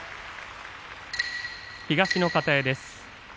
東の方屋です。